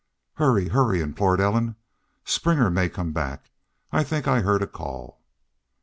"Hurry! Hurry!" implored Ellen. "Springer may come back. I think I heard a call."